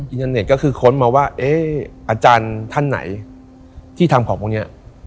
อินเทอร์เน็ตก็คือค้นมาว่าเอ๊ะอาจารย์ท่านไหนที่ทำของพวกนี้